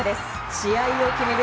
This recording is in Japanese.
試合を決める